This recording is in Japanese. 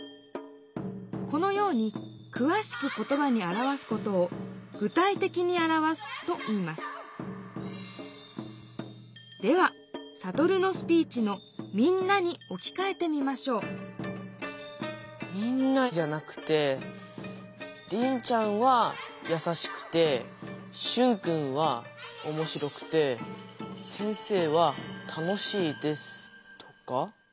このようにくわしく言ばにあらわすことを「具体的にあらわす」といいますではサトルのスピーチの「みんな」におきかえてみましょう「みんな」じゃなくて「リンちゃんはやさしくてシュンくんはおもしろくて先生はたのしいです」とか？